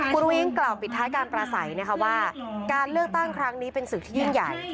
คุณอุ้งกล่าวปิดท้ายการปราศัยนะคะว่าการเลือกตั้งครั้งนี้เป็นศึกที่ยิ่งใหญ่